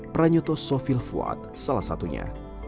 pranyoto sofil fuad salah satunya